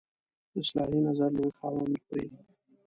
د اصلاحي نظر لوی خاوند وي.